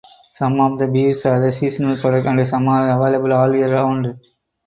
Some of the beers are seasonal products and some are available all year round.